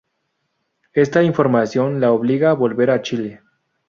Esta información la obliga a volver a Chile.